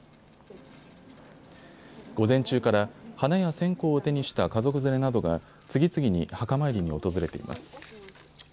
午前中から花や線香を手にした家族連れなどが次々に墓参りに訪れています。